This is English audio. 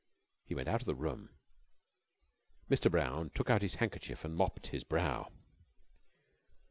He went out of the room. Mr. Brown took out his handkerchief and mopped his brow.